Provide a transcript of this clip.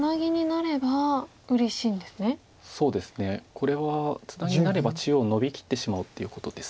これはツナギになれば中央ノビきってしまおうっていうことです。